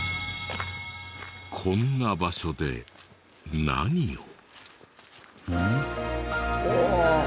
こんな場所で何を？